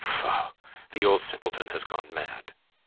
Pho! The old simpleton has gone mad.